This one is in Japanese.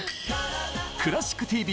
「クラシックＴＶ」